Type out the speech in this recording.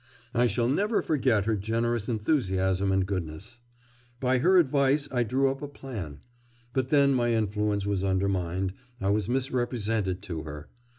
I shall never forget her generous enthusiasm and goodness. By her advice I drew up a plan.... But then my influence was undermined, I was misrepresented to her.